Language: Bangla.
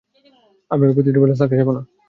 আমি ওই পতিতাপল্লীতে থাকতে যাবো না।